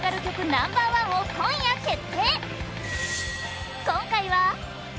ナンバーワンを今夜決定！